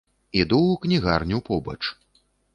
Іду ў кнігарню побач.